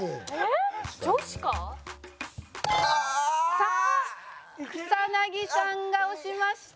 「さあ草薙さんが押しました」